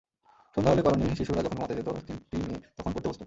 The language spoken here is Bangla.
সন্ধ্যা হলে কলোনির শিশুরা যখন ঘুমাতে যেত, তিনটি মেয়ে তখন পড়তে বসত।